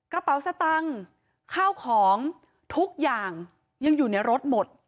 กระเป๋าสตังค์ข้าวของทุกอย่างยังอยู่ในรถหมด